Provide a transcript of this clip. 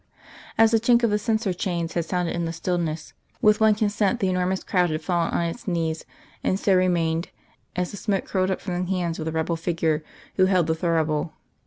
_" As the chink of the censer chains had sounded in the stillness, with one consent the enormous crowd had fallen on its knees, and so remained, as the smoke curled up from the hands of the rebel figure who held the thurible.